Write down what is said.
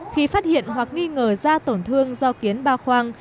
khi phát hiện hoặc nghi ngờ da tổn thương do kiến ba khoang